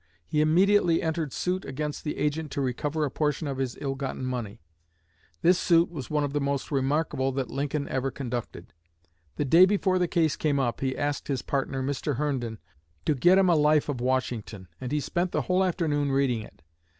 He immediately entered suit against the agent to recover a portion of his ill gotten money. This suit was one of the most remarkable that Lincoln ever conducted. The day before the case came up he asked his partner, Mr. Herndon, to get him a "Life of Washington," and he spent the whole afternoon reading it.